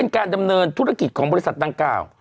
กำเนินธุรกิจของบริษัทตั้ง๙